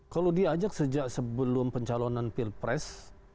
kalau diajak sejak sebelum pencalonan pilpres